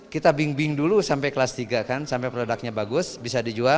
kita bing bing dulu sampai kelas tiga kan sampai produknya bagus bisa dijual